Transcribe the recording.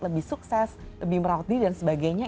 lebih sukses lebih merauh diri dan sebagainya